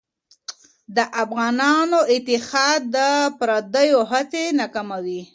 د افغانانو اتحاد د پرديو هڅې ناکاموي.